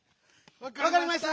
わかりました！